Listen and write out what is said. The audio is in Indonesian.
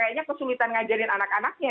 kayaknya kesulitan ngajarin anak anaknya